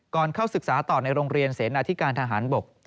เข้าศึกษาต่อในโรงเรียนเสนาธิการทหารบก